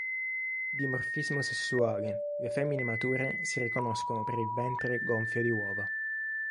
Dimorfismo sessuale: le femmine mature si riconoscono per il ventre gonfio di uova.